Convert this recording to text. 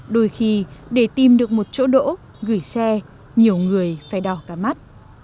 đôi khi để tìm được một chỗ đỗ gửi xe nhiều người phải đỏ cả mắt